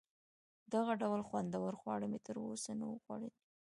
دغه ډول خوندور خواړه مې تر اوسه نه وه خوړلي.